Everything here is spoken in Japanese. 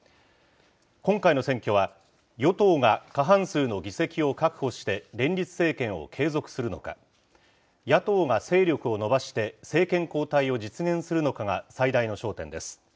今回の選挙は、与党が過半数の議席を確保して、連立政権を継続するのか、野党が勢力を伸ばして政権交代を実現するのかが最大の焦点です。